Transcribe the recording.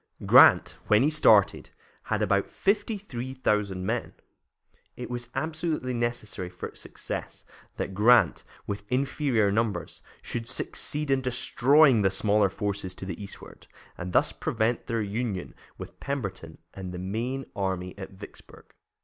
Grant, when he started, had about thirty three thousand men. It was absolutely necessary for success that Grant, with inferior numbers, should succeed in destroying the smaller forces to the eastward, and thus prevent their union with Pemberton and the main army at Vicksburg.